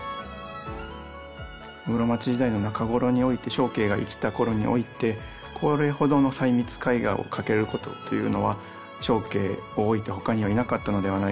室町時代の中頃において祥啓が生きた頃においてこれほどの細密絵画を描けることというのは祥啓をおいて他にはいなかったのではないかなと思います。